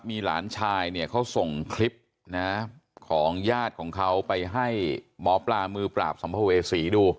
มีหลานชายเนี่ยเขาส่งคลิปนะของญาติของเขาไปให้หมอปลามือปราบสัมภเวษีดู